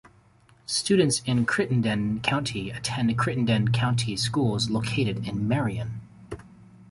Students in Crittenden County attend Crittenden County Schools located in Marion.